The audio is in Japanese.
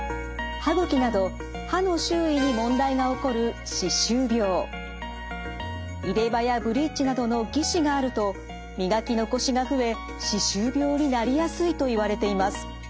歯ぐきなど歯の周囲に問題が起こるなどの義歯があると磨き残しが増え歯周病になりやすいといわれています。